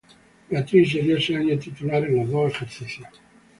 Beatriz sería ese año titular en los dos ejercicios.